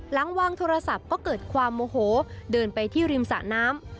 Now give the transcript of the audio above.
หลังวางโทรศัพท์ก็เกิดความโมโหเดินไปที่ริมสะน้ำ